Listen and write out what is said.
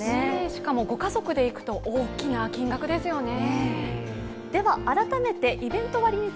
しかもご家族で行くと、大きな金額ですよね。